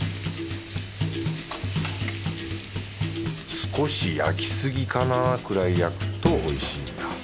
少し焼きすぎかなくらい焼くと美味しいんだ。